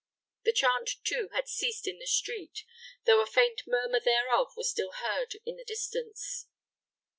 The chant, too, had ceased in the street, though a faint murmur thereof was still heard in the distance.